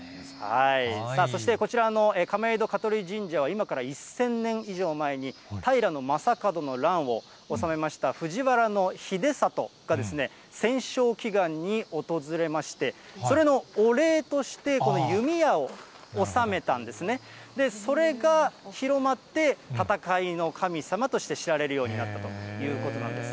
さあそしてこちらの亀戸香取神社、今から１０００年以上前に平将門の乱を治めました藤原秀郷がですね、戦勝祈願に訪れまして、それのお礼として、この弓矢を納めたんですね、それが広まって、戦いの神様として知られるようになったということなんです。